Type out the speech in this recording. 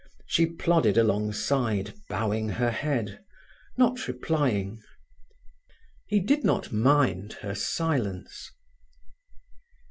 She plodded alongside, bowing her head, not replying. He did not mind her silence.